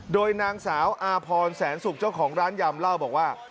โดยนางสาวอาพรแสนสุกเจ้าของร้านยำเล่าบอกว่า